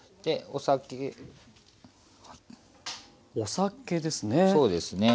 お酒ですね。